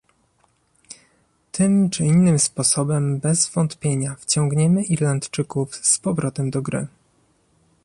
Tym czy innym sposobem bez wątpienia wciągniemy Irlandczyków z powrotem do gry